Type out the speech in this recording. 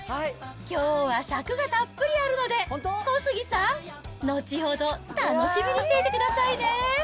きょうは尺がたっぷりあるので、小杉さん、後ほど楽しみにしていてくださいね。